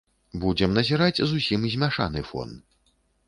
Будзем назіраць зусім змяшаны фон.